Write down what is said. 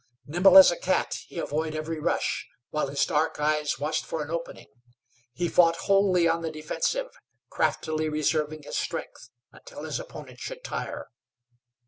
Nimble as a cat, he avoided every rush, while his dark eyes watched for an opening. He fought wholly on the defensive, craftily reserving his strength until his opponent should tire.